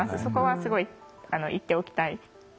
そこはすごい言っておきたい。